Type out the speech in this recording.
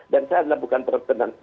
dan saya adalah bukan pertenan